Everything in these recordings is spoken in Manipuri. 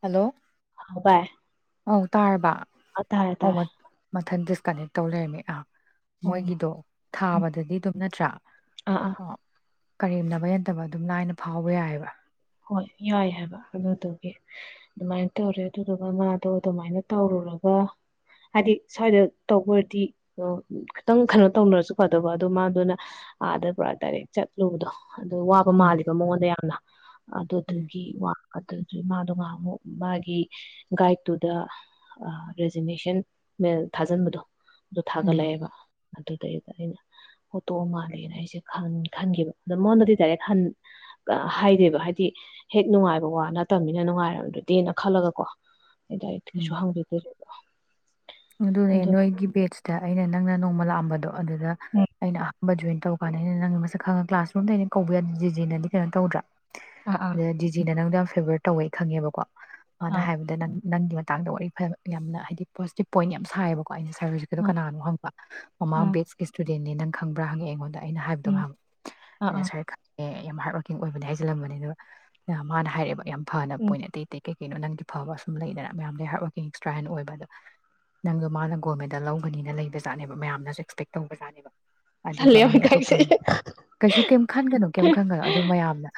ꯍꯜꯂꯣ ꯍ ꯕꯏ ꯑꯧ ꯇꯥꯔꯕ ꯑꯣ ꯃ ꯃꯊꯟꯗ ꯀꯅꯦꯛ ꯇꯧ ꯂꯩꯔꯝꯃꯤ ꯑꯥ ꯎꯝ ꯃꯣꯏꯒꯤꯗꯣ ꯎꯝ ꯊꯥꯕꯗꯗꯤ ꯑꯗꯨꯝ ꯅꯠꯇ꯭ꯔꯥ ꯑꯥ ꯑꯥ ꯑ ꯀꯔꯦꯝꯅꯕꯩ ꯅꯠꯇꯕ ꯑꯗꯨꯝ ꯂꯥꯏꯅ ꯐꯥꯎꯕ ꯌꯥꯏꯑꯕ ꯍꯣꯏ ꯌꯥꯏ ꯍꯥꯏꯕ ꯑꯗꯨꯗꯨꯒꯤ ꯑꯗꯨꯃꯥꯏꯅ ꯇꯧꯔꯦ ꯑꯗꯨꯗꯨꯒ ꯃꯥꯗꯣ ꯑꯗꯨꯃꯥꯏꯅ ꯇꯧꯔꯨꯔꯒ ꯍꯥꯏꯗꯤ ꯁ꯭ꯋꯥꯏꯗ ꯇꯧꯕ ꯑꯣꯏꯗꯤ ꯈꯇꯪ ꯀꯩꯅꯣ ꯇꯧꯅꯔꯁꯨ ꯐꯗꯕ ꯑꯗꯨꯗꯣ ꯃꯥꯗꯨꯅ ꯑꯥꯗ ꯄꯨꯔꯥ ꯗꯥꯏꯔꯦꯛ ꯆꯠꯂꯨꯕꯗꯣ꯫ ꯑꯗꯨ ꯋꯥꯕ ꯎꯝ ꯃꯥꯜꯂꯤꯕ ꯃꯉꯣꯟꯗ ꯌꯥꯝꯅ꯫ ꯎꯝ ꯑꯗꯨꯗꯨꯒꯤ ꯋꯥ ꯑꯗꯨꯗꯤ ꯃꯥꯗꯣ ꯉꯍꯥꯛꯃꯨꯛ ꯃꯥꯒꯤ ꯒꯥꯏꯗꯠꯇꯨꯗ ꯔꯦꯖꯤꯅꯦꯁꯟ ꯃꯑꯏꯜ ꯊꯥꯖꯤꯟꯕꯗꯣ ꯑꯗꯨꯣ ꯎꯝ ꯊꯥꯒꯠꯂꯛꯑꯦꯕ ꯑꯗꯨꯗꯩꯗꯨꯗ ꯑꯩꯅ ꯐꯣꯇꯣꯛ ꯃꯥꯜꯂꯦꯅ ꯑꯩꯁꯦ ꯈꯟꯈꯤꯕ ꯑꯗꯣ ꯃꯉꯣꯟꯗꯗꯤ ꯗꯥꯏꯔꯦꯛ ꯍꯥꯏꯗꯦꯕ ꯍꯥꯏ ꯗꯤ ꯍꯦꯛ ꯅꯨꯡꯉꯥꯏꯕ ꯋꯥ ꯅꯠꯇꯕꯅꯤꯅ ꯅꯨꯡꯉꯥꯏꯔꯝꯗꯔ꯭ꯗꯤ ꯈꯜꯂꯒꯀꯣ ꯎꯝ [unintelligible] ꯑꯗꯨꯅꯦ ꯑꯗꯨ ꯅꯣꯏꯒꯤ ꯕꯦꯠꯁꯇꯥ ꯑꯩꯅ ꯅꯪꯅ ꯅꯣꯡꯃ ꯂꯥꯛꯑꯝꯕꯗꯣ ꯑꯗꯨꯗ ꯎꯝ ꯑꯩꯅ ꯖꯣꯏꯟ ꯇꯧ ꯀꯥꯟꯗ ꯑꯩꯅ ꯅꯪꯒꯤ ꯃꯁꯛ ꯈꯪꯉꯒ ꯀ꯭ꯂꯥꯁꯔꯨꯝꯗ ꯑꯩꯅ ꯀꯧꯕ ꯌꯥꯗ ꯖꯤꯅ ꯀꯩꯅꯣ ꯇꯧꯗ꯭ꯔꯥ ꯑꯥ ꯑꯥ ꯑ [unintelligible] ꯗꯤꯖꯤꯅ ꯅꯥꯪꯗꯣ ꯐꯦꯕꯔ ꯇꯧꯋꯦ ꯈꯪꯉꯦꯕꯀꯣ ꯑꯅ ꯑꯥ ꯍꯥꯏꯕꯗ ꯅꯪ ꯅꯪꯒꯤ ꯃꯇꯥꯡꯗ ꯋꯥꯔꯤ ꯐꯕ ꯌꯥꯝꯅ ꯍꯥꯏꯗꯤ ꯄꯣꯖꯤꯇꯤꯞ ꯄꯣꯏꯟ ꯌꯥꯝ ꯁꯥꯏꯑꯕꯣ ꯑꯩꯅ ꯁꯥꯔꯚꯤꯁꯀꯤꯗꯣ ꯑꯥ ꯀꯅꯥꯅꯣ ꯍꯪꯕ ꯃꯃꯥꯡ ꯑꯥ ꯕꯦꯁꯀꯤ ꯅꯦ ꯅꯪ ꯈꯪꯕꯥ ꯍꯪꯉꯛꯑ ꯑꯩꯉꯣꯟꯗ ꯑꯩꯅ ꯍꯥꯏꯕꯗꯣ ꯎꯝ ꯑꯩꯅ ꯑꯥ ꯑꯥ ꯉꯁꯥꯏ ꯑꯦ ꯌꯥꯝ ꯍꯥꯔꯗ ꯋꯥꯔꯀꯤꯡ ꯑꯣꯏꯕꯅꯦ ꯍꯥꯏꯖꯤꯜꯂꯝꯕꯅꯦ ꯑꯗꯨ ꯃꯥꯅ ꯍꯥꯏꯔꯛꯑꯦꯕ ꯌꯥꯝ ꯐꯅ ꯎꯝ ꯄꯣꯏꯟ ꯑꯇꯩ ꯑꯇꯩ ꯀꯩ ꯀꯩꯅꯣ ꯅꯪꯒꯤ ꯐꯕ ꯁꯨꯝ ꯂꯩꯗꯅ ꯃꯌꯥꯝꯗ ꯍꯥꯔꯠ ꯋꯥꯥꯛꯀꯤꯡ ꯑꯦꯛꯁꯇ꯭ꯔꯥ ꯍꯥꯏꯅ ꯑꯣꯏꯕ ꯑꯗꯣ ꯅꯪꯗꯣ ꯃꯥꯅ ꯒꯣꯜ ꯃꯦꯗꯜ ꯂꯧꯒꯅꯤꯅ ꯂꯩꯕꯖꯥꯠꯅꯦꯕ ꯃꯌꯥꯝꯅꯁꯨ ꯑꯦꯛꯁꯄꯦꯛ ꯇꯧꯕꯖꯥꯠꯅꯦꯕ꯫ ꯇꯜꯂꯦ ꯑꯗꯨꯒ ꯌꯥꯝ ꯃꯤ ꯑꯇꯣꯞꯄꯅꯦ ꯏꯀꯥꯏꯖꯩꯌꯦ ꯀꯩꯁꯨ ꯀꯩꯝ ꯈꯟꯒꯅꯨ ꯀꯩꯝ ꯈꯟꯒꯅꯨ ꯑꯗꯨ ꯃꯌꯥꯝꯅ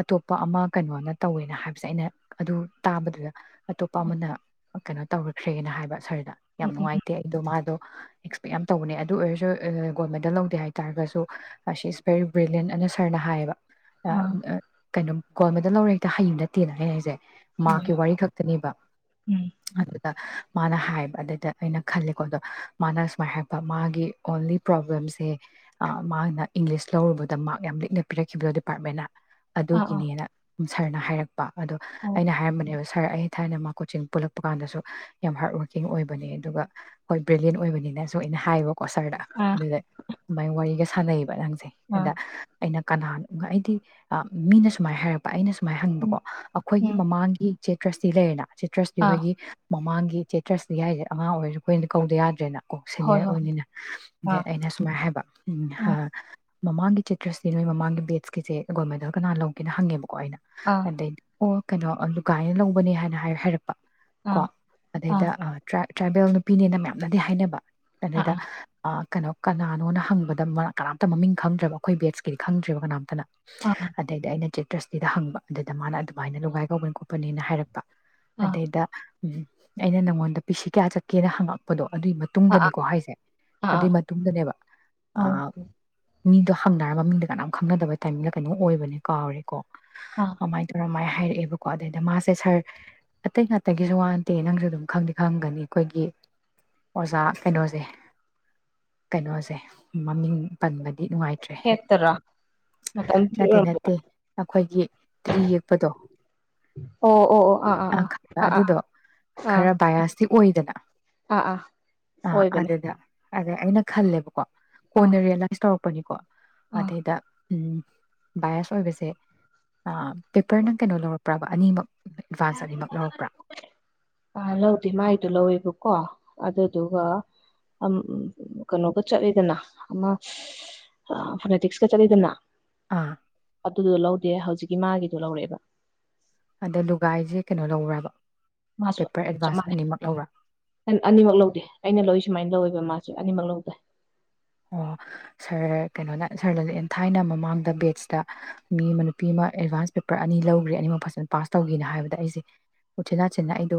ꯑꯇꯣꯞꯄ ꯑꯃ ꯀꯩꯅꯣꯅ ꯇꯧꯋꯦꯅ ꯍꯥꯏꯕꯁꯦ ꯑꯩꯅ ꯑꯗꯨ ꯇꯥꯕꯗꯨꯗ ꯑꯇꯣꯞꯄ ꯎꯝ ꯑꯃꯅ ꯀꯩꯅꯣ ꯇꯧꯔꯈ꯭ꯔꯦꯅ ꯍꯥꯏꯕ ꯁꯥꯔꯗ ꯎꯝ ꯌꯥꯝ ꯎꯝ ꯅꯨꯡꯉꯥꯏꯇꯦ ꯑꯩꯗꯣ ꯃꯥꯗꯣ ꯑꯦꯛꯁꯄꯦꯛ ꯌꯥꯝ ꯇꯧꯕꯅꯦ ꯑꯗꯨ ꯑꯣꯏꯔꯁꯨ ꯒꯣꯜ ꯃꯦꯗꯜ ꯂꯧꯗꯦ ꯍꯥꯏꯇꯥꯥꯔꯒꯁꯨ ꯁꯤ ꯏꯁꯁ ꯕꯦꯔꯤ ꯕ꯭ꯔꯤꯂꯤꯟ ꯑꯅ ꯁꯔꯅ ꯍꯥꯏꯌꯦꯕ ꯑ ꯑꯥ [unintelligible] ꯀꯩꯅꯣ ꯒꯣꯜ ꯃꯦꯗ ꯂꯧꯔ ꯍꯦꯛꯇ ꯍꯡ ꯅꯠꯇꯦꯅ ꯑꯩꯅ ꯍꯥꯏꯁꯦ ꯍꯣꯏ ꯃꯍꯥꯛꯀꯤ ꯋꯥꯔꯤ ꯈꯛꯇꯅꯦꯕ ꯎꯝ ꯑꯗꯨ [unintelligible] ꯃꯥꯅ ꯍꯥꯏꯕ ꯑ ꯗ ꯑꯩꯅ ꯈꯜꯂꯦꯀꯣ ꯑꯗꯣ ꯃꯥꯅ ꯁꯨꯃꯥꯏꯅ ꯍꯥꯏꯔꯛꯄ ꯃꯥꯒꯤ ꯑꯣꯟꯂꯤ ꯄ꯭ꯔꯣꯕ꯭ꯂꯦꯝꯁꯦ ꯃꯥꯅ ꯏꯪꯂꯤꯁ ꯂꯧꯔꯨꯕꯗ ꯃꯥꯥꯛꯛ ꯌꯥꯝ ꯂꯤꯛꯅ ꯄꯤꯔꯛꯈꯤꯕꯗꯣ ꯗꯤꯄꯥꯔꯠꯃꯦꯟꯅ ꯑꯥ ꯑꯥ ꯑꯗꯨꯒꯤꯅꯦꯅ ꯁꯔꯅ ꯍꯥꯏꯔꯛꯄ [unintelligible] ꯑꯗꯣ ꯑꯣ ꯑꯩꯅ ꯍꯥꯏꯔꯝꯕꯅꯦꯕ ꯁꯥꯔ ꯑꯩ ꯊꯥꯏꯅ ꯃꯥ ꯀꯣꯆꯤꯡ ꯄꯨꯜꯂꯛꯄ ꯀꯥꯟꯗꯁꯨ ꯌꯥꯝ ꯍꯥꯔꯗ ꯋꯥꯔꯀꯤꯡ ꯑꯣꯏꯕ ꯑꯗꯨꯒ ꯍꯣꯏ ꯕ꯭ꯂꯤꯌꯦꯟ ꯑꯣꯏꯕꯅꯤꯅ ꯁꯨꯝ ꯑꯩꯅ ꯍꯥꯏ ꯀꯣꯁꯔꯗ ꯑꯥ ꯑꯗꯨꯗ ꯑꯗꯨꯃꯥꯏꯅ ꯋꯥꯔꯤꯒ ꯁꯥꯏꯕ ꯅꯪ ꯑꯥ ꯑꯗ ꯑꯩꯅ ꯀꯅꯥꯅ ꯑꯩꯗꯤ ꯃꯤꯅ ꯁꯨꯃꯥꯏꯅ ꯍꯥꯏꯔꯛꯄ ꯑꯩꯅ ꯁꯨꯝ ꯁꯨꯃꯥꯏ ꯎꯝ ꯍꯪꯕꯀꯣ ꯑꯩꯈꯣꯏꯒꯤ ꯎꯝ ꯃꯃꯥꯡꯒꯤ ꯆꯦꯇ꯭ꯔ ꯑꯁꯤꯤ ꯂꯩꯔ ꯁꯤꯇ꯭ꯔꯁꯇꯤ ꯑꯥ ꯑꯩꯈꯣꯏꯒꯤ ꯃꯃꯥꯡꯒꯤ ꯆꯇ꯭ꯔ ꯁꯤ ꯌꯥꯏꯁꯦ ꯑꯉꯥꯡ ꯑꯣꯏꯔꯁꯨ ꯑꯩꯈꯣꯏꯅ ꯀꯧꯗ ꯌꯥꯗ꯭ꯔꯦꯅ ꯀ ꯍꯣꯏ ꯁꯦꯅꯤꯌꯔ ꯍꯣꯏ ꯑꯣꯏꯅꯤꯅ ꯗꯦꯟ ꯑꯥ ꯑꯩꯅ ꯁꯨꯃꯥꯏꯅ ꯍꯥꯏꯕ ꯎꯝ ꯎ ꯃꯃꯥꯡꯒꯤ ꯆꯤꯇ꯭ꯔꯁꯤꯗꯤ ꯅꯣꯏ ꯃꯃꯥꯡꯒꯤ ꯕꯦꯠꯁꯀꯤꯁꯦ ꯒꯣꯜ ꯃꯦꯗꯜ ꯀꯅꯥꯅ ꯂꯧꯒꯦꯅ ꯍꯪꯉꯦꯕ ꯀꯣ ꯑꯩꯅ ꯑꯥ ꯑꯗꯩ ꯑꯣ ꯀꯩꯅꯣ ꯗꯨꯒꯥꯏꯅ ꯂꯧꯕꯅꯦ ꯍꯥꯏꯅ ꯍꯥꯏ ꯍꯥꯏꯔꯛꯄ ꯀꯣ ꯑꯥ ꯑꯥ ꯑꯗꯨꯗꯩꯗ ꯇ꯭ꯔꯥꯏꯕꯦꯜ ꯅꯨꯄꯤꯅꯦꯅ ꯃꯌꯥꯝꯅꯗꯤ ꯍꯥꯏꯅꯕ ꯑꯥ ꯀꯩꯅꯗ ꯑꯥ ꯑ ꯀꯩꯅꯣ ꯀꯅꯥꯅꯣꯅ ꯍꯪꯕꯗ ꯀꯅꯥꯝꯇ ꯃꯃꯤꯡ ꯈꯪꯗ꯭ꯔꯕ ꯑꯩꯈꯣꯏ ꯕꯦꯠꯁꯀꯤꯗꯤ ꯈꯪꯗ꯭ꯦꯕ ꯀꯅꯥꯝꯇꯅ ꯑꯗꯗ ꯑꯩꯅ ꯆ ꯇ꯭ꯔꯁꯇꯤꯗ ꯍꯪꯕ ꯑꯗꯨꯗ ꯃꯥꯅ ꯑꯗꯨꯃꯥꯏꯅ ꯂꯨꯒꯥꯏ ꯀꯧꯕꯅꯤ ꯈꯣꯠꯄꯅꯦꯅ ꯍꯥꯏꯔꯛꯄ ꯑꯥ ꯑꯗꯦꯗ ꯎꯝ ꯑꯩꯅ ꯅꯪꯉꯣꯟꯗ ꯄꯁꯤ ꯀꯌꯥ ꯆꯠꯀꯦꯅ ꯍꯪꯉꯛꯄꯗꯣ ꯑꯗꯨꯏ ꯑꯥ ꯑꯥ ꯑꯥ ꯃꯇꯨꯡꯗꯅꯤꯀꯣ ꯍꯥꯏꯁꯦ ꯑꯥ ꯑꯗꯨꯏ ꯃꯇꯨꯡꯗꯅꯦꯕ ꯑ ꯑꯧ ꯃꯤꯗꯣ ꯍꯪꯅꯔ ꯃꯃꯤꯡꯗ ꯀꯅꯥꯝ ꯈꯪꯅꯗꯕ ꯇꯥꯏꯃꯤꯡꯗ ꯀꯩꯅꯣ ꯑꯣꯏꯕꯅꯦ ꯀꯥꯎꯔꯦꯀꯣ ꯑꯥ ꯑꯃꯥꯏ ꯇꯔꯃꯥꯏ ꯍꯥꯏꯔꯛꯑꯦꯕꯀꯣ ꯑꯗꯩꯗ ꯃꯥꯁꯦ ꯁꯥꯔ ꯑꯇꯩ ꯉꯥꯛꯇꯒꯤꯁꯨ ꯋꯥꯟꯗꯦ ꯅꯪꯁꯨ ꯑꯗꯨꯝ ꯈꯪꯗꯦ ꯈꯪꯒꯅꯤ ꯑꯩꯈꯣꯏꯒꯤ ꯑꯣꯖꯥ ꯀꯩꯅꯣꯁꯦ ꯀꯩꯅꯣꯁꯦ ꯃꯃꯤꯡ ꯄꯟꯕꯅꯤ ꯍꯦ ꯇꯔ ꯅꯠꯇꯦ ꯅꯠꯇꯦ ꯑꯩꯈꯣꯏꯒꯤ ꯇ꯭ꯔꯤ ꯌꯦꯛꯄꯗꯣ ꯑꯣ ꯑꯣ ꯑꯣ ꯑꯥ ꯑꯥ ꯑꯥ ꯑꯥ ꯑꯗꯨꯗꯣ ꯑꯥ ꯈꯔ ꯚꯌꯥꯁ ꯁꯤ ꯑꯣꯏꯗꯅ ꯑꯥ ꯑꯥ ꯑꯥ ꯑꯥ ꯑꯣꯏꯕꯅꯦ ꯑꯗꯨꯗ ꯑꯗ ꯑꯩꯅ ꯈꯜꯂꯦꯕꯀꯣ ꯑꯥ ꯀꯣꯅ ꯔꯤꯌꯦꯂꯥꯏꯁ ꯇꯧꯔꯛ ꯄꯅꯤꯀꯣ ꯑꯥ ꯃꯗꯩꯗ ꯕꯥꯏꯁ ꯑꯣꯏꯕꯁꯦ ꯑ ꯄꯦꯄꯔ ꯅꯪ ꯀꯩꯅꯣ ꯂꯧꯔꯛꯄ꯭ꯔꯕ ꯑꯅꯤꯃꯛ ꯑꯦꯗꯚꯥꯟꯁ ꯑꯅꯤꯃꯛ ꯂꯧꯔꯛꯄ꯭ꯔꯥ ꯑ ꯂꯧ ꯗꯤ ꯃꯥ ꯑꯗꯨ ꯂꯧꯋꯦꯕꯀꯣ ꯑꯗꯨꯗꯨꯒ ꯀꯩꯅꯣꯒ ꯆꯠꯂꯤꯗꯅ ꯑꯃ ꯐꯣꯅꯦꯇꯤꯛꯁꯀ ꯆꯠꯂꯤꯗꯅ ꯑꯥ ꯑꯗꯨꯗꯣ ꯂꯧꯗꯦ ꯍꯧꯖꯤꯛꯀꯤ ꯃꯥꯒꯤꯗꯣ ꯂꯧꯔꯛꯑꯦꯕ ꯑꯗ ꯂꯨꯒꯥꯏꯁꯦ ꯀꯩꯅꯣ ꯂꯧꯔ꯭ꯕ ꯄꯦꯄꯔ ꯑꯦꯠꯚꯥꯟꯁ ꯑꯅꯤꯃꯛ ꯂꯧꯕ꯭ꯔꯥ ꯅ ꯑꯅꯤꯃꯛ ꯂꯧꯗꯦ ꯑꯩꯅ ꯂꯧꯏ ꯁꯨꯃꯥꯏꯅ ꯂꯧꯋꯦꯕ ꯃꯥꯁꯦ ꯑꯅꯤꯃꯛ ꯂꯧꯗꯦ ꯑꯣ ꯁꯥꯔ ꯀꯩꯅꯣꯅ ꯁꯥꯔꯅꯖꯨ ꯊꯥꯏꯅ ꯃꯃꯥꯡꯗ ꯕꯦꯁꯇ ꯃꯤ ꯑꯃ ꯅꯨꯄꯤ ꯑꯃ ꯑꯦꯗꯚꯥꯟꯁ ꯄꯦꯄꯔ ꯑꯅꯤ ꯂꯧꯈ꯭ꯔꯦ ꯑꯅꯤꯃꯛ ꯐꯖꯅ ꯄꯥꯁ ꯇꯧꯒꯤꯅ ꯍꯥꯏꯕꯗ ꯑꯩꯁꯦ ꯎꯆꯤꯟꯅꯥꯆꯤꯟꯅ ꯑꯩꯗꯣ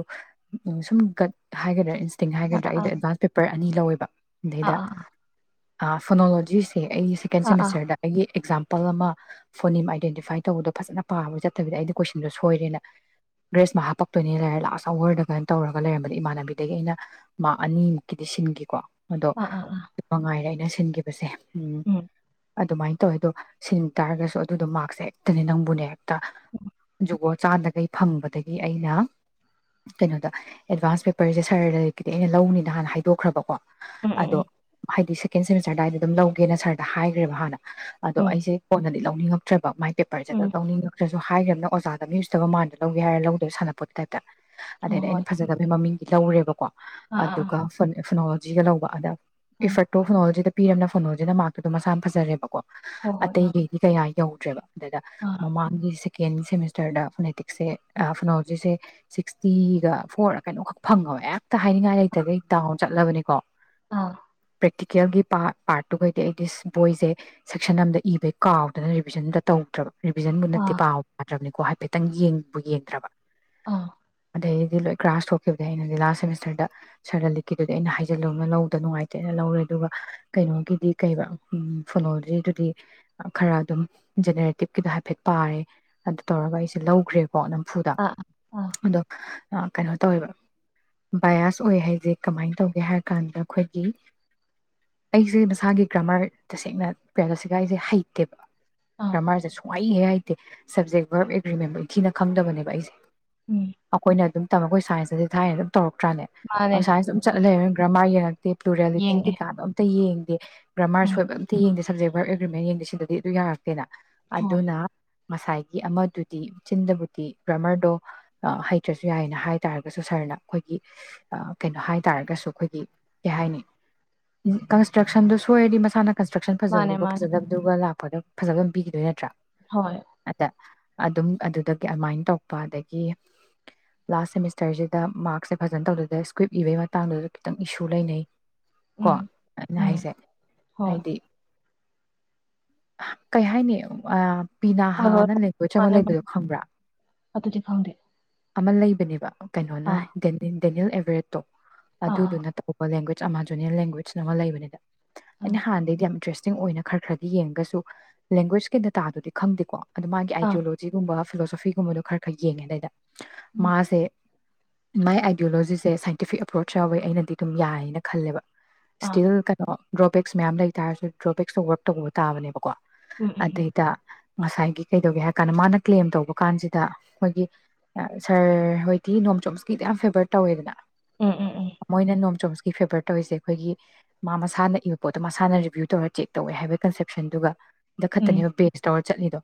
ꯁꯨꯝ ꯒꯠ ꯍꯥꯏꯒꯗ꯭ꯔ ꯏꯟꯁꯇꯤꯡ ꯍꯥꯏꯒꯗ꯭ꯔꯥ ꯑꯩꯗꯣ ꯑꯥ ꯑꯦꯗꯚꯥꯟꯁ ꯄꯦꯄꯔ ꯑꯅꯤ ꯂꯧꯋꯦꯕ ꯑꯥ ꯑꯗꯩꯗ ꯑꯥ ꯑ ꯐꯅꯣꯂꯣꯖꯤ ꯑꯩꯒꯤ ꯁꯦꯀꯦꯟ ꯑꯥ ꯁꯃꯤꯁꯇꯔꯗ ꯑꯩ ꯑꯦꯛꯖꯥꯝ [unintelligible] ꯐꯣꯅꯤꯝ ꯑꯥꯏꯗꯦꯟꯇꯤꯐꯥꯏ ꯇꯧꯕꯗꯣ ꯐꯖꯅ ꯄꯥꯕ ꯆꯠꯇꯕꯤꯗ ꯑꯩꯗꯤ ꯀꯣꯏꯁꯟꯗꯣ ꯁꯣꯏꯔꯦꯅ ꯒ꯭ꯔꯦꯁ ꯃꯥꯛ ꯍꯥꯄꯛꯇꯣꯏꯅꯦ ꯂꯩꯔ ꯂꯥꯁ ꯑꯋꯥꯔꯗ ꯀꯩꯅꯣ ꯇꯧꯔꯒ ꯂꯩꯔꯝꯕꯗ ꯏꯃꯥꯟꯅꯕꯤꯗꯒꯤ ꯑꯩꯅ ꯃꯥꯛ ꯑꯅꯤꯃꯨꯛꯀꯤꯗꯤ ꯁꯤꯟꯈꯤꯀꯣ꯫ ꯑꯗꯣ ꯑꯥ ꯑꯥ ꯑꯥ ꯃꯉꯥꯏꯔꯦ ꯑꯩꯅ ꯁꯤꯟꯈꯤꯕꯁꯦ꯫ ꯎꯝ ꯑꯗꯨꯃꯥꯏꯅ ꯇꯧꯋꯦ ꯑꯗꯣ ꯁꯤꯟ ꯇꯥꯔꯒꯁꯨ ꯑꯗꯨꯗꯣ ꯃꯥꯛꯛꯁꯦ ꯍꯦꯛꯇꯅꯦ ꯅꯪꯕꯨꯅꯦ ꯍꯦꯛꯇ ꯖꯨꯒꯣꯠ ꯆꯥꯗꯈꯩ ꯐꯪꯕꯗꯒꯤ ꯑꯩꯅ ꯀꯩꯅꯣꯗ ꯑꯦꯗꯚꯥꯟꯁ ꯄꯦꯄꯔꯁꯦ ꯁꯥꯔ ꯂꯂꯤꯠ ꯀꯤꯗꯤ ꯑꯩꯅ ꯂꯧꯅꯤꯅ ꯍꯥꯟꯅ ꯍꯥꯏꯗꯣꯛꯈ꯭ꯔꯕꯀꯣ꯫ ꯎꯝ ꯑꯗꯣ ꯎꯝ ꯍꯥꯏꯗꯤ ꯁꯦꯀꯦꯟ ꯁꯦꯃꯤꯁꯇꯔꯗꯋꯥꯏꯗ ꯑꯗꯨꯝ ꯂꯧꯒꯦꯅ ꯁꯔꯗ ꯍꯥꯏꯈ꯭ꯔꯦꯕ ꯍꯥꯟꯅ ꯑꯗꯣ ꯎꯝ ꯑꯩꯁꯦ ꯀꯣꯟꯅꯦ ꯂꯧꯅꯤꯡꯉꯛꯇ꯭ꯔꯕ ꯃꯥꯏ ꯄꯦꯄꯔꯖꯦꯒ ꯎꯝ ꯂꯧꯅꯤꯡꯉꯛꯇ꯭ꯔ ꯑꯗꯨ ꯍꯥꯏꯈ꯭ꯔꯝꯅꯤꯅ ꯑꯣꯖꯥꯗ ꯃꯤꯎꯁꯤꯠꯇꯕ ꯃꯥꯟꯗꯅ ꯂꯧꯒꯦ ꯍꯥꯏꯔ ꯂꯧꯗꯦ ꯁꯥꯟꯅꯄꯣꯠꯀꯤ ꯇꯥꯏꯞꯇ꯫ ꯎꯝ ꯑꯗꯩꯗꯤ ꯑꯩꯅ ꯍꯣꯏ ꯍꯣꯏ ꯐꯖꯗꯕꯩ ꯃꯃꯤꯡ꯫ ꯂꯧꯔꯦꯕꯀꯣ ꯑꯥ ꯑꯥ ꯑꯥ ꯑꯗꯨꯒ ꯐꯟ [unintelligible] ꯖꯤꯒ ꯂꯧꯕ ꯑꯗ ꯑꯥ ꯏꯐꯔꯠꯇꯣ ꯐꯪꯍꯧꯖꯤꯗ꯫ ꯄꯤꯔꯝꯅꯤꯅ ꯐꯣꯅꯣꯂꯣꯖꯤꯅ ꯃꯥꯔꯛꯀꯗꯣ ꯃꯁꯥꯅ ꯐꯖꯔꯦꯕꯀꯣ꯫ ꯍꯣꯏ ꯍꯣꯏ ꯑꯥ ꯑꯇꯩꯒꯩꯗꯤ ꯀꯩꯌꯥ꯫ ꯌꯧꯗ꯭ꯔꯦꯕ꯫ ꯑꯗ‌ꯩꯗꯥ ꯑꯥ ꯃꯃꯥꯡꯒꯤ ꯁꯦꯀꯦꯟ ꯁꯦꯃꯤꯁꯇꯔꯗ ꯐꯣꯅꯦꯇꯤꯛꯁꯁꯦ ꯐꯣꯅꯣꯂꯣꯖꯤꯁꯦ ꯁꯤꯛꯁꯇꯤꯒ ꯐꯣꫪꯔ ꯀꯩꯅꯣꯈꯛ ꯐꯪꯉꯦ [unintelligible] ꯍꯥꯏꯅꯤꯡꯉꯥꯏ ꯂꯩꯇꯒꯩ ꯗꯥꯎꯟ ꯆꯠꯂꯕꯅꯤꯀꯣ ꯑꯥ ꯄ꯭ꯔꯦꯛꯇꯤꯀꯦꯜꯒꯤ ꯄꯥ꯭ꯔꯠ ꯄꯥ꯭ꯔꯠꯇꯨꯈꯩꯗꯤ ꯑꯩ ꯗꯤꯁ ꯕꯣꯏꯁꯦ ꯁꯦꯛꯁꯟ ꯑꯝꯗ ꯏꯕꯩ ꯀꯥꯎꯗꯅ ꯔꯤꯚꯤꯖꯟꯗ ꯇꯧꯗ꯭ꯔꯕ꯫ ꯔꯤꯚꯤꯖꯟꯕꯨ ꯑꯥ ꯅꯠꯇꯦ ꯄꯥꯎꯗ꯭ꯔꯕꯅꯤ ꯀꯣ ꯍꯥꯏꯐꯦꯠꯇꯪ ꯌꯦꯡꯕꯨ ꯌꯦꯡꯗ꯭ꯔꯕ꯫ ꯑꯥ꯫ ꯑꯗꯩꯗꯤ ꯂꯣꯏ ꯀ꯭ꯂ꯭ꯔꯥꯁ ꯊꯣꯛꯈꯤꯕꯗꯒꯤ ꯑꯩꯅꯗꯤ ꯂꯥꯁ ꯁꯦꯃꯤꯁꯇꯔꯗ ꯁꯔ [unintelligible] ꯑꯩꯅ ꯍꯥꯏꯖꯜꯂꯨ [unintelligible] ꯂꯧꯗ ꯅꯨꯡꯉꯥꯏ ꯆꯦꯠꯅ ꯂꯧꯔꯦ ꯑꯗꯨꯒ ꯀꯩꯅꯣꯒꯤꯗꯤ ꯀꯩꯌꯦꯕ ꯎ ꯐꯣꯅꯣꯂꯣꯖꯤꯗꯨꯗꯤ ꯈꯔ ꯑꯗꯨꯝ ꯖꯦꯅꯦꯔꯦꯇꯤꯞꯀꯤꯗꯣ ꯍꯥꯏꯐꯦꯠ ꯄꯥꯔꯦ ꯑꯗꯨ ꯇꯧꯔꯒ ꯑꯩꯁꯦ ꯂꯧꯈ꯭ꯔꯦꯕ꯫ ꯀꯣ ꯅꯝꯐꯨꯗ ꯑꯥ ꯑꯥ ꯑꯗꯣ ꯀꯩꯅꯣ ꯇꯧꯋꯦꯕ ꯕꯥꯌꯥꯁ ꯑꯣꯏ ꯍꯥꯏꯁꯦ ꯀꯃꯥꯏꯅ ꯇꯧꯒꯦ ꯍꯥꯏꯀꯥꯟꯗ ꯑꯈꯣꯏ ꯑꯩꯁꯦ ꯃꯁꯥꯒꯤ ꯒ꯭ꯔꯥꯃꯔ ꯇꯁꯦꯡꯅ [unintelligible] ꯑꯩꯁꯦ ꯍꯩꯇꯦꯕ꯫ ꯑꯥ ꯒ꯭ꯔꯥꯃꯔꯁꯦ ꯁꯨꯡꯍꯩ ꯍꯦꯛ ꯍꯩ꯫ ꯁꯕꯖꯦꯛ ꯚꯔꯕ ꯑꯦꯒ꯭ꯔꯤꯃꯦꯟꯕꯧ ꯅꯤꯡꯊꯤꯅ ꯈꯪꯗꯕꯅꯦꯕ ꯑꯩꯁꯦ꯫ ꯎꯝ ꯑꯈꯣꯏꯅ ꯑꯗꯨꯝ ꯑꯈꯣꯏ ꯁꯥꯏꯟꯇꯗꯤ ꯊꯥꯏꯅ ꯑꯗꯨꯝ ꯇꯧꯔꯛ ꯅꯠꯇ꯭ꯔꯅꯦ ꯃꯥꯅꯦ ꯑꯁꯨꯃꯥꯏꯅ ꯑꯗꯨꯝ ꯆꯠꯂ [unintelligible] ꯒ꯭ꯔꯥꯃꯔ ꯌꯦꯡ꯫ ꯄ꯭ꯂꯨꯔꯦꯂꯤꯇꯤ ꯌꯦꯡꯗꯦ ꯀꯩꯀꯥꯗꯣ ꯑꯝꯇ ꯌꯦꯡ [inaudible] ꯒꯔ꯭ꯥꯃꯔ ꯎꯝ ꯁꯣꯏꯕ ꯑꯝꯇ ꯌꯦꯡꯒꯦꯁꯦ꯫ ꯁꯕꯖꯦꯛ ꯚꯔꯕ ꯑꯦꯒꯔꯤꯃꯦꯟꯠ ꯌꯦꯡꯗ ꯁꯤꯗꯗꯤ ꯑꯗꯨ ꯌꯥ꯫ ꯌꯥꯔꯛꯇꯦꯗ ꯍꯣꯏ ꯑꯗꯨꯅ꯫ ꯉꯁꯥꯏꯒꯤ ꯑꯃꯗꯨꯗꯤ ꯆꯤꯟꯗꯕꯨꯗꯤ ꯒꯔ꯭ꯃꯔꯗꯣ ꯍꯩꯇ꯭ꯔꯁꯨ ꯌꯥꯏꯅ ꯍꯥꯏ ꯇꯥꯔꯒꯁꯨ ꯁꯔꯅ ꯑꯈꯣꯏꯒꯤ ꯀꯩꯅꯣ ꯍꯥꯏ ꯇꯥꯔꯒꯁꯨ ꯑꯈꯣꯏꯒꯤ ꯀꯩ ꯍꯥꯏꯅꯤ ꯀꯟꯁꯇ꯭ꯔꯛꯁꯟꯗꯨ ꯁꯣꯏꯔꯗꯤ ꯃꯁꯥꯅ ꯀꯟꯁꯇ꯭ꯔꯛꯁꯟ ꯃꯥꯅꯦ ꯐꯖꯕꯗꯨꯒ ꯃꯥꯅꯦ ꯐꯖꯗꯕꯗꯨꯒ ꯂꯥꯛ꯫ [unintelligible] ꯐꯖꯕ ꯄꯤꯈꯤꯗꯣꯏ ꯅꯠꯇ꯭ꯔꯥ ꯍꯣꯏ [unintelligible] ꯑꯗꯨꯝ ꯑꯗꯨꯗꯒꯤ ꯑꯗꯨꯃꯥꯏꯟ ꯇꯧꯔꯛꯄ ꯑꯗꯒꯤ ꯂꯥꯁ ꯁꯦꯃꯤꯁꯇꯔꯁꯤꯗ ꯃꯥꯔꯛꯁꯦ ꯐꯖꯅ ꯇꯧꯗꯗ ꯏꯁꯀ꯭ꯔꯤꯞ ꯏꯕꯒꯤ ꯃꯇꯥꯡꯗꯨꯗꯁꯨ ꯈꯤꯇꯪ ꯏꯁꯨ ꯂꯩꯅꯩ ꯀꯣ ꯎꯝ ꯑꯩꯅ ꯎꯝ ꯍꯥꯏꯁꯦ ꯍꯣꯏ ꯍꯥꯏꯗꯤ ꯀꯩ ꯍꯥꯏꯅꯤ ꯑ ꯍꯣꯏ ꯍꯣꯏ ꯄꯤꯅꯥꯍꯥꯅ [unintelligible] ꯑꯃ ꯃꯥꯅꯦ ꯃꯥꯅꯦ ꯂꯩꯕꯗꯣ ꯈꯪꯕ꯭ꯔꯥ ꯑꯗꯨꯗꯤ ꯈꯪꯗꯦ ꯑꯃ ꯂꯩꯕꯅꯦꯕ ꯀꯩꯅꯣꯅ ꯑꯥ [unintelligible] ꯗꯦꯅꯤꯜ ꯑꯦꯕꯔꯦꯠꯇꯣ ꯑꯥ ꯑꯗꯨ-ꯗꯨꯅ꯫ ꯂꯦꯡꯒ꯭ꯋꯦꯖꯅ ꯑꯃ ꯖꯨꯅꯤꯑꯣꯔ ꯂꯦꯡꯒ꯭ꯋꯦꯖꯅ ꯑꯃ ꯂꯩꯕꯅꯤꯗ꯫ ꯑꯥ ꯑꯩꯅ ꯍꯥꯟꯅꯗꯤ ꯌꯥꯝ [unintelligible] ꯆꯤꯡ ꯑꯣꯏꯅ ꯈꯔ-ꯈꯔꯗꯤ ꯌꯦꯡꯉꯒꯁꯨ ꯂꯦꯡꯒ꯭ꯋꯦꯁꯀꯤ ꯗꯇꯥꯗꯨꯗꯤ ꯈꯪꯗꯦꯀꯣ꯫ ꯑꯗꯣ ꯃꯥꯒꯤ ꯑꯥ ꯑꯥ ꯑꯥꯏꯗꯤꯌꯣꯂꯣꯖꯤꯒꯨꯝꯕ ꯐꯤꯂꯣꯤꯒꯕꯗꯣ ꯈꯔ ꯈꯔ ꯌꯦꯡꯉꯦꯗꯩꯗ ꯎꯝ ꯃꯥꯁꯦ ꯃꯥꯏ ꯑꯥꯏꯗꯤꯌꯣꯂꯣꯖꯤꯁꯦ ꯁꯥꯏꯟꯇꯤꯐꯤꯛ ꯑꯦꯄ꯭ꯔꯣꯆ ꯌꯥꯎꯋꯦ ꯑꯩꯅꯗꯤ ꯑꯗꯨꯝ ꯌꯥꯏꯌꯦꯅ ꯈꯜꯂꯦꯕ ꯑꯥ ꯏꯁꯇꯤꯜ ꯀꯩꯅꯣ ꯗ꯭ꯔꯣꯕꯦꯛꯁ ꯃꯌꯥꯝ ꯂꯩꯇꯥꯥꯔꯁꯨ ꯗ꯭ꯔꯣꯕꯦꯛꯁꯇꯣ ꯌꯔꯛ ꯇꯧꯕ ꯇꯥꯕꯅꯦꯕꯀꯣ ꯎꯝ ꯎꯝ ꯑꯗꯩꯗ ꯉꯁꯥꯏꯒꯤ ꯀꯩꯗꯧꯒꯦ ꯍꯥꯏ ꯀꯥꯟꯗ ꯃꯥꯅ ꯀ꯭ꯂꯦꯝ ꯇꯧꯕ ꯀꯥꯟꯁꯤꯗ ꯑꯩꯈꯣꯏꯒꯤ ꯁꯔ ꯍꯣꯏꯗꯤ ꯅꯣꯝꯆꯣꯝꯁꯀꯤ ꯌꯥꯝ ꯐꯦꯕꯔ ꯇꯧꯋꯦꯗꯅ ꯎꯝ ꯎꯝ ꯎꯝ ꯎꯝ ꯃꯣꯏꯅ ꯅꯣꯝ ꯖꯣꯞꯁꯀꯤ ꯐꯦꯕꯔ ꯇꯧꯔꯤꯁꯦ ꯑꯩꯈꯣꯏꯒꯤ ꯃꯥ ꯃꯁꯥꯅ ꯏꯕ ꯄꯣꯠꯇꯣ ꯃꯁꯥꯅ ꯔꯤꯚ꯭ꯌꯨ ꯇꯧꯔ ꯆꯦꯛ ꯇꯧꯋꯦ ꯍꯥꯏꯕ ꯀꯟꯁꯦꯞꯁꯟꯗꯨꯒ ꯗ ꯈꯛꯇꯅꯦꯕ ꯕꯦꯁ ꯇꯧꯔ ꯆꯠꯂꯤꯗꯣ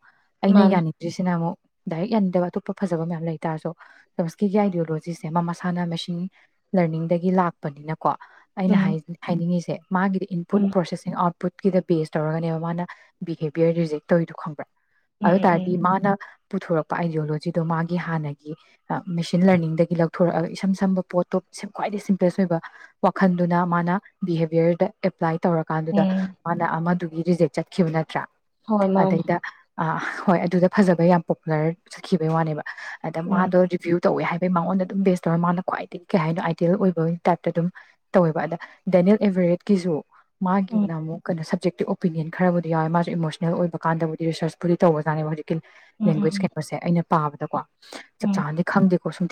ꯎꯝ ꯑꯩꯅ ꯃꯥꯅꯦ ꯌꯥꯅꯤꯡꯗ꯭ꯔꯤꯁꯤꯅ ꯑꯃꯨꯛ ꯗꯥꯏꯔꯦꯛ ꯌꯥꯅꯤꯡꯗꯕ ꯑꯇꯣꯞꯄ ꯐꯖꯕ ꯃꯌꯥꯝ ꯂꯩ ꯇꯥꯔꯁꯨ ꯇꯝꯁꯀꯤꯒꯤ ꯑꯥꯏꯗꯤꯌꯣꯂꯣꯖꯤꯁꯦ ꯃꯥ ꯃꯁꯥꯅ ꯃꯦꯁꯤꯟ ꯂꯔꯅꯤꯡꯗꯒꯤ ꯂꯥꯛꯄ ꯄꯅꯤꯅꯥ ꯀꯣ ꯑꯩꯅ ꯎꯝ ꯍꯥꯏ ꯍꯥꯏꯅꯤꯡꯉꯤꯁꯦ ꯃꯥꯒꯤꯗꯤ ꯎꯝ ꯏꯟꯄꯨꯠ ꯄ꯭ꯔꯣꯁꯦꯁꯤꯡ ꯑꯥꯎꯠ ꯄꯨꯨꯠꯀꯤꯗ ꯕꯦꯁ ꯇꯧꯔꯒꯅꯦꯕ ꯃꯥꯅ ꯕꯤꯍꯦꯕꯤꯌꯔ ꯔꯤꯖꯦꯛ ꯇꯧꯋꯤꯗꯣ ꯈꯪꯕ꯭ꯔꯥ ꯎꯝ ꯑꯗꯨ ꯎꯝ ꯎꯝ ꯇꯥꯗꯤ ꯃꯥꯅ ꯄꯨꯊꯣꯔꯛꯄ ꯑꯥꯏꯗꯤꯌꯣꯂꯣꯖꯤꯗꯣ ꯃꯥꯒꯤ ꯍꯥꯟꯅꯒꯤ ꯃꯦꯁꯤꯟ ꯂꯔꯅꯤꯡꯗꯒꯤ ꯂꯧꯊꯣꯔꯛꯑꯒ ꯏꯁꯝ ꯁꯝꯕ ꯄꯣꯠꯇꯣ ꯈ꯭ꯋꯥꯏꯗꯒꯤ ꯁꯤꯝ ꯑꯣꯏꯕ ꯋꯥꯈꯟꯗꯨꯅ ꯃꯥꯅ ꯕꯤꯍꯦꯕꯤꯌꯔꯗ ꯑꯦꯄ꯭ꯂꯥꯏ ꯇꯧꯔꯀꯥꯟꯗꯨꯗ ꯎꯝ ꯃꯥꯅ ꯑꯃꯗꯨ ꯔꯤꯖꯦꯛ ꯆꯠꯈꯤꯕ ꯅꯠꯇ꯭ꯔꯥ ꯍꯣꯏ ꯃꯥꯅꯤ ꯑꯥꯥ ꯍꯣꯏ ꯑꯗꯨꯗ ꯐꯖꯕ ꯌꯥꯝ ꯄꯣꯄꯨꯂꯔ ꯆꯠꯈꯤꯕꯩ ꯋꯥꯅꯦꯕ꯫ ꯑꯗ ꯎꯝ ꯃꯥꯗꯣ ꯔꯤꯕ꯭ꯌꯨ꯫ ꯇꯧꯋꯦ ꯍꯥꯏꯕꯩ ꯃꯉꯣꯟꯗ ꯑꯗꯨꯝ ꯕꯦꯁ ꯇꯧꯔ ꯃꯥꯅ ꯈ꯭ꯋꯥꯏꯗꯒꯤ ꯀꯩ ꯍꯥꯏꯅꯣ ꯑꯥꯏꯗꯦꯜ ꯑꯣꯏꯕ꯫ ꯂꯣꯏ ꯇꯥꯏꯞꯇ ꯑꯗꯨꯝ ꯇꯧꯋꯦꯕ ꯑꯗ ꯗꯦꯅꯤꯜ ꯑꯦꯚꯔꯦꯠꯀꯤꯁꯨ꯫ ꯎꯝ ꯃꯥꯒꯤꯌꯨꯅ ꯑꯃꯨꯛ ꯀꯩꯅꯣ ꯁꯕ꯫ ꯁꯕꯖꯦꯛꯇꯤꯚ ꯑꯣꯄꯤꯅꯤꯌꯟ ꯈꯔꯕꯨꯗꯤ ꯌꯥꯎꯋꯦ ꯃꯥꯁꯨ ꯏꯃꯣꯁꯅꯦꯜ ꯑꯣꯏꯕ ꯀꯥꯟꯗꯕꯨꯗꯤ ꯔꯤꯁ꯭ꯔꯆ ꯕꯨꯗꯤ ꯇꯧꯕꯖꯥꯠꯅꯦꯕ ꯍꯧꯖꯤꯛ꯫ ꯀꯤꯜ ꯎꯝ ꯎꯝ ꯂꯦꯡꯒ꯭ꯋꯦꯖ ꯎꯝ ꯎꯝ ꯀꯦꯝꯄꯁꯁꯦ ꯑꯩꯅ꯫ ꯄꯥꯕꯗꯀꯣ꯫ ꯆꯞ ꯆꯥꯅꯗꯤ ꯈꯪꯗꯦꯀꯣ ꯁꯨꯝ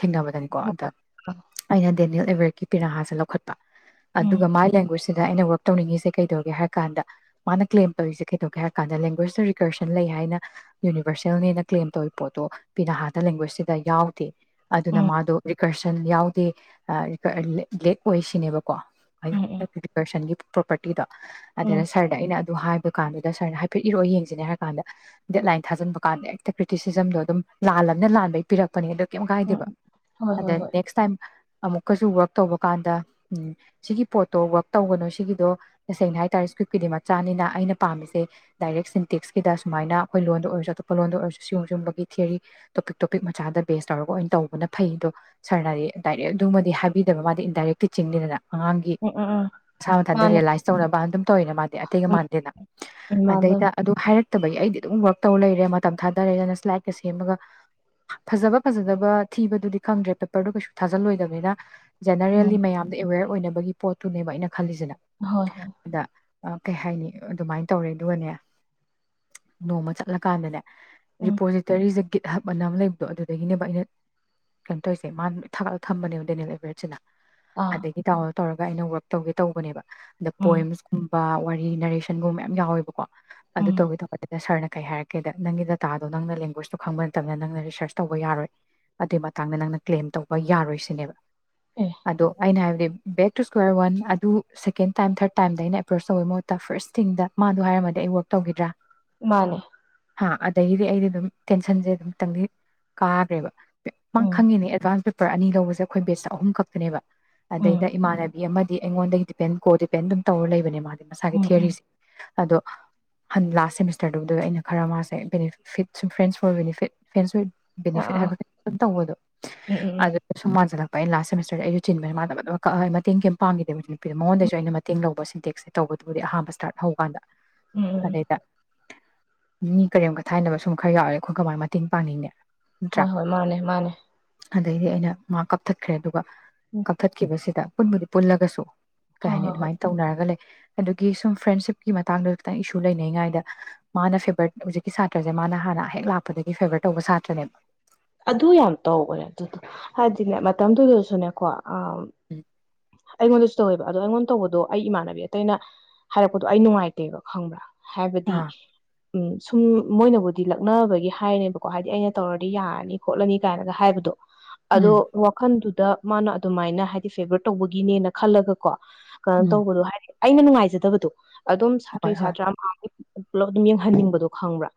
ꯍꯣꯏ ꯊꯦꯡꯅꯕꯗꯅꯤꯀꯣ ꯍꯣꯏ ꯑꯗ ꯑꯥ ꯑꯩꯅ꯫ ꯩ [unintelligible] ꯁꯤ ꯄꯦꯔꯥꯁꯦ ꯂꯧꯈꯠ꯫ ꯄꯥ ꯎꯝ ꯎꯝ ꯑꯗꯨꯒ ꯃꯥꯏ ꯂꯦꯡꯒ꯭ꯋꯦꯖ꯫ ꯁꯤꯗ ꯑꯩꯅ ꯋꯔꯛ ꯇꯧꯅꯤꯡꯉꯤꯁꯦ ꯀꯩꯗꯧꯒꯦ ꯍꯥꯏ ꯀꯥꯟꯗ ꯃꯥꯅ ꯀ꯭ꯂꯦꯝ ꯇꯧꯔꯤꯁꯦ ꯀꯩꯗꯧꯒꯦ ꯍꯥꯏꯔ ꯀꯥꯟꯗ ꯂꯦꯡꯒ꯭ꯋꯦꯖꯇꯨ ꯔꯤꯀꯔꯁꯟ ꯂꯩ ꯍꯥꯏꯅ ꯌꯨꯅꯤꯕꯔꯁꯦꯜꯅꯦꯅ ꯀ꯭ꯂꯦꯝ ꯇꯧꯔꯤ ꯄꯣꯠꯇꯣ ꯄꯤ ꯅꯍꯥꯟꯗ ꯂꯦꯡꯒ꯭ꯋꯦꯖꯁꯤꯗ ꯌꯥꯎꯗꯦ꯫ ꯑꯗꯨꯅ ꯃꯥꯗꯣ ꯔꯤꯀꯔꯁꯟ ꯌꯥꯎꯗꯦ ꯑꯥ꯫ ꯕ꯭ꯂꯦꯛ ꯑꯣꯏꯁꯤꯅꯦꯕ꯫ ꯀꯣ ꯎꯝ ꯎꯝ [unintelligible] ꯄꯤꯄꯔꯁꯟꯒꯤ ꯄ꯭ꯔꯣꯄꯔꯇꯤꯗꯣ ꯎꯝ ꯎꯝ ꯑꯗꯨꯗ ꯁꯔꯗ ꯑꯩꯅ꯫ ꯑꯗꯨ ꯍꯥꯏꯕ ꯀꯥꯟꯗꯨꯗ ꯁꯔꯅ ꯍꯥꯏꯐꯦꯠ ꯏꯔꯛꯑꯣ ꯌꯦꯡꯁꯤꯅꯦ ꯍꯥꯏꯔ ꯀꯥꯟꯗ ꯗꯦꯠꯂꯥꯏꯟ ꯊꯥꯖꯤꯟꯕ ꯀꯥꯟꯗ ꯍꯦꯛꯇ ꯀ꯭ꯔꯤꯇꯤꯁꯤꯖꯝꯗꯣ ꯑꯗꯨꯝ ꯂꯥꯜꯂꯕꯅꯤꯅ ꯂꯥꯟꯕꯩ ꯄꯤꯔꯛꯄꯅꯤꯗ꯫ ꯀꯩꯝ ꯀꯥꯏꯗꯦꯕ ꯎꯝ ꯍꯣꯏ ꯑꯗ ꯍꯣꯏ ꯍꯣꯏ ꯅꯦꯛꯁ ꯇꯥꯏꯝ꯫ ꯑꯃꯨꯛ ꯀꯁꯨ ꯋꯥꯛ ꯇꯧꯕ ꯀꯥꯟꯗ ꯎꯝ ꯁꯤꯒꯤ ꯄꯣꯠꯇꯣ ꯋꯥꯛ ꯇꯧꯒꯅꯣ ꯁꯤꯒꯤꯗꯣ ꯇꯁꯦꯡꯅ ꯍꯥꯏꯇꯥꯥꯔꯦ ꯏ꯭ꯁꯀ꯭ꯔꯤꯞꯀꯤꯗꯤ ꯃꯆꯥꯅꯤꯅ ꯑꯩꯅ ꯄꯥꯝꯃꯤꯁꯦ ꯗꯥꯏꯔꯦꯛ ꯁꯤꯟꯇꯤꯛꯁꯀꯤꯗ ꯁꯨꯃꯥꯏꯅ ꯑꯈꯣꯏ ꯂꯣꯟꯗ ꯑꯣꯏꯔꯁꯨ ꯑꯇꯣꯞꯄ ꯂꯣꯟꯗ ꯑꯣꯏꯔꯁꯨ ꯁꯤꯎꯝ ꯁꯤꯎꯝꯕꯒꯤ ꯊꯤꯌꯔꯤ ꯇꯣꯄꯤꯛ ꯇꯣꯄꯤꯛ ꯃꯆꯥꯗ ꯕꯦꯁ ꯇꯧꯔꯒ ꯑꯣꯏꯅ ꯇꯧꯕꯅ ꯐꯩ ꯗꯣ ꯁꯥꯔꯅꯗꯤ ꯗꯥꯏꯔꯦꯛ ꯑꯗꯨꯃ ꯍꯥꯏꯕꯤꯗꯕ ꯃꯥꯗꯤ ꯏꯟꯗꯥꯏꯔꯦꯛ ꯇꯤꯆꯤꯡꯅꯤꯗꯅ꯫ ꯑꯉꯥꯡꯒꯤ ꯎꯝ ꯎꯝ ꯎꯝ ꯃꯁꯥ ꯃꯊꯟꯇ ꯃꯥꯅꯦ ꯔꯤꯌꯦꯂꯥꯏꯁ ꯇꯧꯅꯕ ꯑꯗꯨꯝ ꯇꯧꯋꯤꯅ ꯃꯥꯗꯦ ꯑꯇꯩꯒ ꯎꯝ ꯃꯥꯟꯗꯦꯅ ꯎꯝ ꯃꯥꯟꯗꯣꯏ ꯑꯗꯩꯗ ꯑꯗꯨ ꯍꯥꯏꯔꯛ ꯐꯠꯇꯕꯒꯤ ꯑꯩꯗꯤ ꯑꯗꯨꯝ ꯋꯥꯔꯛ ꯇꯧ ꯂꯩꯔꯦ ꯃꯇꯝ ꯊꯥꯗꯔꯦꯗꯅ ꯁ꯭ꯂꯥꯏꯠꯀ ꯁꯦꯝꯃꯒ ꯐꯖꯕ ꯐꯖꯗꯕ ꯊꯤꯕꯗꯨꯗꯤ ꯈꯪꯗ꯭ꯔꯦ ꯄꯦꯄꯔꯗꯨ ꯀꯩꯁꯨ ꯊꯥꯖꯜꯂꯣꯏꯗꯝꯅꯤꯅ꯫ ꯖꯦꯅꯔꯦꯜꯂꯤ ꯎꯝ ꯃꯌꯥꯝꯗ ꯑꯦꯋꯦꯔ- ꯑꯣꯏꯅꯕꯒꯤ ꯄꯣꯠꯇꯨꯅꯦꯕ ꯑꯩꯅ ꯈꯜꯂꯤꯁꯤꯅ ꯍꯣꯏ ꯍꯣꯏ ꯑꯗ ꯑꯥ ꯀꯩ ꯍꯥꯏꯅꯤ ꯑꯗꯨꯃꯥꯏ ꯇꯧꯔꯦ ꯑꯗꯨꯒꯅꯦ ꯅꯣꯡꯃ ꯆꯠꯂꯀꯥꯟꯗꯅꯦ ꯎꯝ ꯔꯤꯄꯣꯖꯤꯇꯔꯤꯖꯦ ꯒꯤꯠꯍꯞꯑꯅ ꯑꯃ ꯂꯩꯕꯗꯣ ꯑꯗꯨꯗꯒꯤꯅꯦꯕ ꯑꯩꯅ ꯀꯩꯟ ꯇꯩꯁꯦ ꯃꯥꯅ ꯂꯣꯏ ꯊꯥꯒꯠꯂꯒ ꯊꯝꯕꯅꯦꯕ [unintelligible] ꯑꯥ ꯑꯗꯒꯤ ꯇꯥꯋꯜ ꯇꯧꯔꯒ ꯑꯩꯅ ꯋꯥꯔꯛ ꯇꯧꯒꯦ ꯇꯧꯕꯅꯦꯕ꯫ ꯑꯗ ꯎꯝ ꯄꯣꯏꯝꯁ ꯀꯨꯝ ꯕꯥ ꯋꯥꯔꯤ ꯅꯔꯦꯁꯟꯒꯨꯝꯕ ꯃꯌꯥꯝ ꯌꯥꯎꯋꯦꯕꯀꯣ꫰ ꯎꯝ ꯑꯗꯨꯇꯧꯒꯦ ꯇꯧꯕ ꯑꯗꯨꯗ ꯁꯔꯅ ꯀꯩ ꯍꯥꯏꯔꯛꯀꯦꯗ ꯅꯪꯒꯤ ꯗꯇꯥꯗꯣ ꯅꯪꯅ ꯂꯦꯡꯒ꯭ꯋꯦꯁꯇꯣ ꯈꯪꯕ ꯅꯠꯇꯝꯅ ꯅꯪꯅ ꯔꯤꯁꯔꯁ ꯇꯧꯕ ꯌꯥꯔꯣꯏ ꯑꯗꯨꯏ ꯃꯇꯥꯡꯗ ꯅꯪꯅ ꯀ꯭ꯂꯦꯝ ꯇꯧꯕ ꯌꯥꯔꯣꯏ ꯁꯤꯅꯦꯕ꯫ ꯑꯦ ꯑꯗꯣ ꯑꯩꯅ ꯍꯥꯏ ꯕꯦ ꯕꯦꯛ ꯇꯨ ꯁꯀ꯭ꯋꯥꯔ ꯋꯥꯟ ꯑꯗꯨ ꯁꯦꯀꯦꯟ ꯇꯥꯏꯝ ꯊꯥꯔꯠ ꯇꯥꯏꯝꯗ ꯑꯩꯅ ꯑꯦꯄ꯭ꯔꯣꯁ ꯇꯧꯕꯩ ꯃꯍꯨꯠꯇ ꯐ꯭ꯔꯁ ꯊꯤꯡꯗ ꯃꯥꯗꯣ ꯍꯥꯏꯔꯝꯃꯗꯤ ꯑꯩ ꯋ꯭ꯔꯛ ꯇꯧꯒꯤꯗ꯭ꯔꯥ ꯃꯥꯅꯦ꯫ ꯍꯥ ꯑꯗꯒꯤꯗꯤ ꯑꯩꯗꯤ ꯑꯗꯨꯝ ꯇꯦꯟꯁꯟꯖꯦ ꯑꯗꯨꯝꯇꯪꯗꯤ ꯀꯥꯒ꯭ꯔꯦꯕ꯫ ꯃꯥ ꯎꯝ ꯈꯪꯉꯤꯅꯦ ꯑꯦꯗꯚꯥꯟꯁ ꯄꯦ ꯄꯔ ꯑꯅꯤ ꯂꯧꯕꯖꯦ ꯑꯈꯣꯏ ꯕꯦꯁꯇ ꯑꯍꯨꯝ ꯈꯛꯇꯅꯦꯕ ꯎꯝ ꯑꯗꯩꯗ ꯏꯃꯅꯕꯤ ꯑꯃꯗꯤ ꯑꯩꯉꯣꯟꯗꯒꯤ ꯗꯤꯄꯦꯟ ꯀꯣ ꯗꯤꯄꯦꯟ ꯑꯗꯨꯝ ꯇꯧꯔ ꯂꯩꯕꯅꯦ ꯃꯥꯗꯤ ꯃꯁꯥꯒꯤ ꯎꯝ ꯎꯝ ꯊꯤꯑꯣꯔꯤꯁꯤ ꯑꯗꯣ ꯍꯟꯅ ꯂꯥꯁ ꯁꯦꯃꯤꯁꯇꯔꯗꯨꯗ ꯑꯩꯅ ꯈꯔ ꯃꯥꯁꯦ ꯕꯅꯤꯐꯤꯠ ꯁꯨꯝ friends for benefit friends with ah benefit ꯑꯥ ꯍꯥꯏꯕ ꯑꯗꯨ ꯇꯧꯕꯗꯣ ꯎꯝ ꯎꯝ ꯑꯗꯨꯗ ꯁꯨꯝ ꯃꯥꯟ ꯑꯩ ꯂꯥꯁ꯭ꯇ ꯁꯦꯃꯤꯁꯇꯔꯗ ꯑꯩꯁꯨ ꯆꯤꯟꯕꯅꯤꯥꯅ ꯃꯇꯦꯡ ꯀꯩꯝ ꯄꯥꯡꯈꯤꯗꯦꯕ ꯃꯉꯣꯟꯗꯩꯁꯨ ꯑꯩꯅ ꯃꯇꯦꯡ ꯂꯧꯕꯁꯤ ꯗꯤ ꯇꯧꯕꯗꯨꯕꯨꯗꯤ ꯑꯍꯥꯟꯕ ꯁ꯭ꯇꯥꯔꯠ ꯍꯧꯀꯥꯟꯗ ꯎꯝ ꯎꯝ ꯎꯝ ꯑꯗꯩꯗ ꯃꯤ ꯀꯔꯦꯝ ꯀꯊꯥꯏꯅꯕ ꯁꯨꯝ ꯈꯔ ꯌꯥꯎꯔꯦ ꯑꯈꯣꯏ ꯀꯃꯥꯏ ꯃꯇꯦꯡ ꯄꯥꯡꯅꯤꯡꯅꯤ ꯅꯠꯇ꯭ꯔꯥ ꯍꯣꯏ ꯍꯣꯏ ꯃꯥꯅꯦ ꯃꯥꯅꯦ꯫ ꯑꯗꯩꯗꯤ ꯑꯩꯅ ꯃꯥ ꯀꯛ ꯊꯠꯈ꯭ꯔꯦ ꯑꯗꯨꯒ ꯎꯝ ꯀꯛꯊꯠꯈꯤꯕꯁꯤꯗ ꯄꯨꯟꯕꯨꯗꯤ ꯄꯨꯜꯂꯒꯁꯨ ꯀꯩ ꯍꯣꯏ ꯍꯥꯏꯅꯤ ꯍꯣꯏ ꯍꯣꯏ ꯑꯗꯨꯃꯥꯏꯅ ꯇꯧꯅꯔꯒ ꯂꯩ ꯑꯗꯨꯒꯤ ꯁꯨꯝ ꯐ꯭ꯔꯦꯟꯁꯤꯞꯀꯤ ꯃꯇꯥꯡꯗ ꯈꯤꯇꯪ ꯏꯁꯨ ꯂꯩꯅꯩꯉꯥꯏꯗ ꯃꯥꯅ ꯐꯦꯚꯔ ꯍꯧꯖꯤꯛꯀꯤ ꯁꯥꯇ꯭ꯔꯁꯦ ꯃꯥꯅ ꯍꯥꯟꯅ ꯍꯦꯛ ꯂꯥꯛꯄꯗꯒꯤ ꯐꯦꯚꯔ ꯇꯧꯕ ꯁꯥꯇ꯭ꯔꯅꯦꯕ ꯑꯗꯨ ꯌꯥꯝ ꯇꯧꯕꯅꯦ ꯑꯗꯨꯗꯣ ꯍꯥꯏꯗꯤꯅꯦ ꯃꯇꯝꯗꯨꯗꯁꯨꯅꯦꯀꯣ ꯑꯥ ꯎꯝ ꯑꯩꯉꯣꯟꯗꯁꯨ ꯇꯧꯋꯦꯕ ꯑꯗꯣ ꯑꯩꯉꯣꯟꯗ ꯇꯧꯕꯗꯣ ꯑꯩ ꯏꯃꯥꯟꯅꯕꯤ ꯑꯇꯩꯅ ꯍꯥꯏꯔꯛꯄꯗꯣ ꯑꯩ ꯅꯨꯡꯉꯥꯏꯇꯦꯕ ꯈꯪꯕ꯭ꯔꯥ ꯍꯥꯏꯕꯗꯤ ꯑꯥ ꯎꯝ ꯁꯨꯝ ꯃꯣꯏꯅꯕꯨꯗꯤ ꯂꯛꯅꯕꯒꯤ ꯍꯥꯏꯅꯦꯕꯀꯣ ꯍꯥꯏꯗꯤ ꯑꯩꯅ ꯇꯧꯔꯗꯤ ꯌꯥꯔꯅꯤ ꯈꯣꯠꯂꯅꯤ ꯀꯥꯏꯅꯒ ꯍꯥꯏꯕꯗꯣ ꯑꯗꯣ ꯎꯝ ꯋꯥꯈꯜꯗꯨ ꯗ ꯃꯥꯅ ꯑꯗꯨꯃꯥꯏꯅ ꯍꯥꯏꯗꯤ ꯐꯦꯚꯔ ꯇꯧꯕꯒꯤꯅꯦꯅ ꯈꯜꯂꯒ ꯀꯣ ꯀꯩꯅꯣ ꯎꯝ ꯇꯧꯕꯗꯣ ꯍꯥꯏꯗꯤ ꯑꯩꯅ ꯅꯨꯡꯉꯥꯏꯖꯗꯕꯗꯣ ꯑꯗꯨꯝ ꯍꯣꯏ ꯁꯥꯇ꯭ꯔꯩ ꯍꯣꯏ ꯁꯥꯇ꯭ꯔꯥ ꯑꯝꯍꯥꯅꯤ ꯄꯨꯂꯞ ꯑꯗꯨꯝ ꯌꯦꯡꯍꯟꯅꯤꯡꯕꯗꯣ ꯈꯪꯕ꯭ꯔꯥ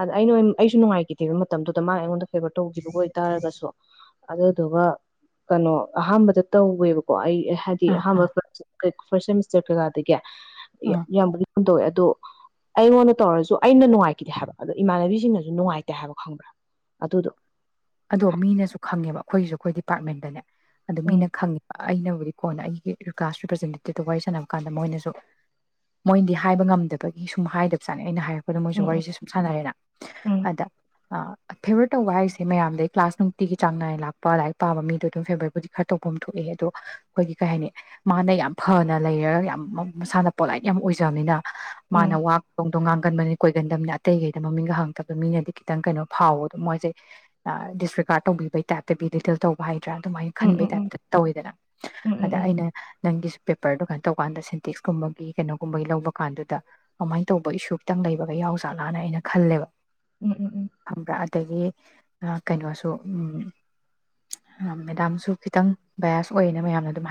ꯑꯗ ꯑꯩꯅ ꯑꯩꯁꯨ ꯅꯨꯡꯉꯥꯏꯈꯤꯗꯦꯕ ꯃꯇꯝꯗꯨꯗ ꯃꯥ ꯑꯩꯉꯣꯟꯗ ꯐꯦꯕꯔ ꯇꯧꯈꯤꯕꯒ ꯑꯣꯏꯇꯥꯔꯒꯁꯨ ꯑꯗꯨꯗꯨꯒ ꯀꯩꯅꯣ ꯑꯍꯥꯟꯕꯗ ꯇꯧꯋꯦꯕ ꯀꯣ ꯑꯩ ꯀꯣ ꯍꯥꯏꯗꯤ ꯑꯥ ꯑꯍꯥꯟꯕ ꯑꯥ ꯀꯩ ꯐ꯭ꯔꯁ ꯁꯦꯃꯤꯁꯇꯔ ꯀꯩꯀꯥꯗꯒꯤ ꯌꯥ ꯑꯥ ꯌꯥꯝꯕꯨꯗꯤ ꯍꯝ ꯇꯧꯋꯦ ꯑꯗꯣ ꯑꯩꯉꯣꯟꯗ ꯇꯧꯔꯁꯨ ꯑꯩꯅ ꯅꯨꯡꯉꯥꯏꯈꯤꯗꯦ ꯍꯥꯏꯕ ꯑꯗꯣ ꯏꯃꯥꯟꯅꯕꯤꯁꯤꯡꯅꯁꯨ ꯅꯨꯡꯉꯥꯏꯇꯦ ꯍꯥꯏꯕ ꯈꯪꯕ꯭ꯔꯥ ꯑꯗꯨꯗꯣ ꯑꯗꯣ ꯃꯤꯅꯁꯨ ꯈꯪꯉꯦꯕ ꯑꯩꯈꯣꯏꯁꯨ ꯑꯩꯈꯣꯏ ꯗꯤꯄꯥ꯭ꯔꯠꯃꯦꯟꯇꯅꯦ ꯑꯗꯨ ꯃꯤꯅ ꯎꯝ ꯈꯪꯉꯦꯕ ꯑꯩꯅꯕꯨꯗꯤ ꯀꯣꯟꯅ ꯑꯩꯒꯤ ꯀ꯭ꯂꯥꯁ ꯔꯤꯄ꯭ꯔꯖꯦꯟꯇꯦꯇꯤꯞꯇ ꯋꯥꯔꯤ ꯁꯥꯟꯅꯕ ꯀꯥꯟꯗ ꯃꯣꯏꯅꯁꯨ ꯃꯣꯏꯅꯗꯤ ꯍꯥꯏꯕ ꯉꯝꯗꯕꯒꯤ ꯁꯨꯝ ꯍꯥꯏꯗ꯭ꯕ ꯖꯥꯠꯅꯤ ꯑꯩꯅ ꯍꯥꯏꯔꯞ ꯗ ꯃꯣꯏꯁꯨ ꯎꯝ ꯋꯥꯔꯤꯁꯦ ꯁꯨꯝ ꯁꯥꯟꯅꯔꯦꯅ ꯎꯝ ꯑꯗ ꯑ ꯐꯦꯕ꯭ꯔ ꯇꯧꯕ ꯍꯥꯏꯁꯦ ꯗꯩ ꯃꯌꯥꯝꯗꯩꯩ ꯀ꯭ꯂꯥꯁ ꯅꯨꯡꯇꯤꯒꯤ ꯆꯥꯡ ꯅꯥꯏꯅ ꯂꯥꯛꯄ ꯂꯥꯏꯔꯤꯛ ꯄꯥꯕ ꯃꯤꯗꯣ ꯑꯗꯨꯝ ꯐꯦꯕ꯭ꯔꯕꯨꯨꯗꯤ ꯈꯔ ꯇꯧꯐꯝ ꯊꯣꯛꯑꯦ ꯑꯗꯣ ꯑꯩꯈꯣꯏꯒꯤ ꯀꯩ ꯍꯥꯏꯅꯤ ꯃꯥꯅ ꯌꯥꯝ ꯐꯅ ꯂꯩꯔꯒ ꯌꯥꯝ ꯃ ꯃꯁꯥꯅ ꯄꯣꯂꯥꯏꯠ ꯌꯥꯝ ꯑꯣꯏꯖ꯭ꯕꯅꯤꯅ ꯃꯥꯅ ꯎꯝ ꯋꯥ ꯗꯣꯡ ꯗꯣꯡ ꯉꯥꯡꯒꯟꯕꯅꯤꯅ ꯀꯣꯏ ꯀꯤꯒꯟꯗꯝꯅ ꯑꯇꯩꯒꯩꯗ ꯃꯃꯤꯡꯒ ꯍꯪꯉꯛꯇꯕꯗ ꯃꯤꯅꯗꯤ ꯈꯤꯇꯪ ꯀꯩꯅꯣ ꯐꯥꯎꯗꯣ ꯃꯣꯏꯁꯦ ꯑꯥ ꯗꯤꯁ ꯔꯤꯀꯥꯔꯠ ꯇꯧꯕꯤꯕꯩ ꯇꯥꯏꯞꯇ ꯕꯤꯗꯤꯀꯦꯜ ꯇꯧꯕ ꯍꯥꯏ ꯅꯠꯇ꯭ꯔꯥ ꯑꯗꯨꯃꯥꯏ ꯎꯝ ꯎꯝ ꯈꯟꯕꯩ ꯎꯝ ꯎꯝ ꯇꯥꯏꯞꯇ ꯇꯧꯋꯦꯗꯅ ꯎꯝ ꯎꯝ ꯑꯗ ꯎꯝ ꯑꯩꯅ ꯅꯪꯒꯤꯁ ꯄꯦꯄ꯭ꯔꯗꯣ ꯀꯩꯟ ꯇꯧꯀꯥꯟꯗ ꯁꯦꯟꯇꯤꯛꯁꯀꯨꯝꯕꯒꯤ ꯀꯩꯅꯣꯒꯨꯝꯕꯒꯤ ꯂꯧꯕ ꯀꯥꯟꯗꯨꯗ ꯀꯃꯥꯏꯅ ꯇꯧꯕ ꯏꯁꯨ ꯈꯤꯇꯪ ꯂꯩꯕꯒ ꯌꯥꯎ ꯖꯥꯠꯂꯥꯅ ꯑꯩꯅ ꯈꯜꯂꯦꯕ꯫ ꯎꯝ ꯎꯝ ꯎꯝ ꯈꯝꯕ꯭ꯔ ꯑꯗꯒꯤ ꯁꯥ ꯀꯩꯅꯣꯁꯨ ꯃꯝ ꯃꯦꯗꯥꯝꯁꯨ ꯈꯤꯇꯪ ꯕꯌꯥꯁ ꯑꯣꯏꯌꯦꯅ ꯃꯌꯥꯝꯅ ꯑꯗꯨꯝ ꯍꯥꯏꯅ